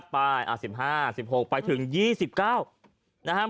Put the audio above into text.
ไป๑๕๑๖ไปถึง๒๙